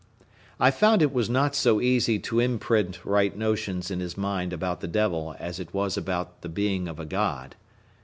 I found it was not so easy to imprint right notions in his mind about the devil as it was about the being of a God.